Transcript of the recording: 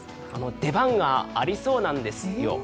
出番がありそうなんですよ。